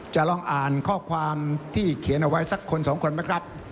จะลองอ่านข้อความที่เขียนเอาไว้สักคนสองคนไหมครับ